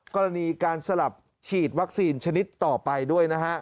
กรณีการสลับฉีดวัคซีนชนิดต่อไปด้วยนะฮะ